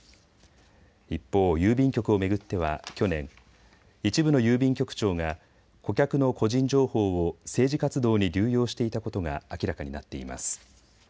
一方、郵便局を巡っては去年、一部の郵便局長が顧客の個人情報を政治活動に流用していたことが明らかになっています。